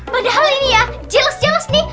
padahal ini ya jelas jelas nih